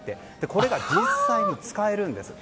これが実際に使えるんです。